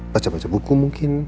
baca baca buku mungkin